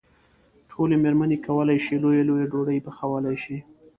ټولې مېرمنې کولای شي لويې لويې ډوډۍ پخولی شي.